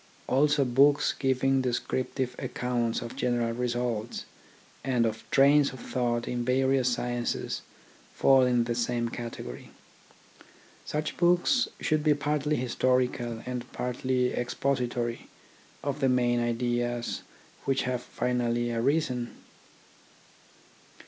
Also books giving descriptive accounts of general results, and trains of thought in various sciences fall in the same category. Such books should be partly historical and partly expository of the main ideas which have finally arisen.